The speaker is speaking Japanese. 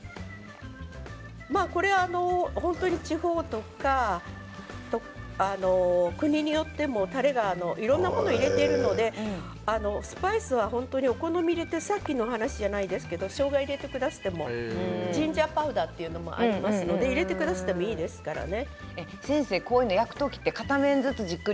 地方とか国によってもたれはいろんなものを入れているのでスパイスは本当にお好みでさっきの話じゃないですけれどもしょうがを入れてくださってもねジンジャーパウダーというものもありまして入れていいですね。